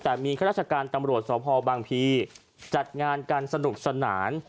แต่มีข้าราชการตำรวจสพบางพีจัดงานกันสนุกสนาน